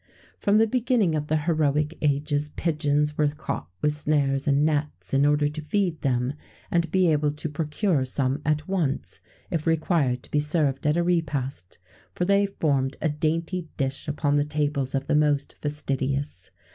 From the beginning of the heroic ages, pigeons were caught with snares and nets,[XVII 89] in order to feed them, and be able to procure some at once, if required to be served at a repast; for they formed a dainty dish upon the tables of the most fastidious.